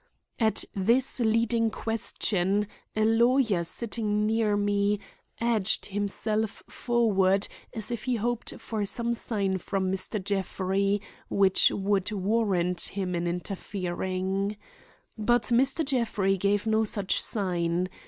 At this leading question, a lawyer sitting near me, edged himself forward as if he hoped for some sign from Mr. Jeffrey which would warrant him in interfering. But Mr. Jeffrey gave no such sign.